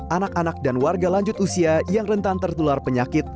anak anak dan warga lanjut usia yang rentan tertular penyakit